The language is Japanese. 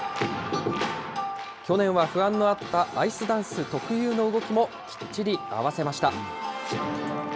去年は不安のあったアイスダンス特有の動きもきっちり合わせました。